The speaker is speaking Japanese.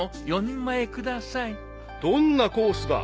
［どんなコースだ］